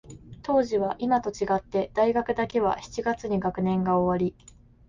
当時は、いまと違って、大学だけは七月に学年が終わり、